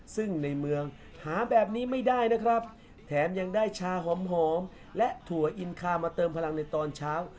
ซึ่งในเมืองหาแบบนี้ไม่ได้นะครับแถมยังได้ชาหอมและถั่วอินคามาเติมพลังในตอนเช้า